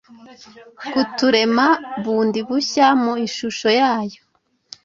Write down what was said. kuturema bundi bushya mu ishusho yayo.